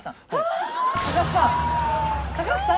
高橋さん！